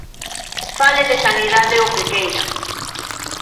Fale de sanidade o que queira.